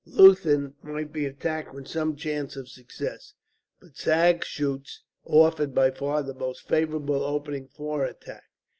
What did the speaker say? Leuthen might be attacked with some chance of success, but Sagschuetz offered by far the most favourable opening for attack.